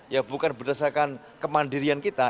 ya bukan berdasarkan kemandirian kita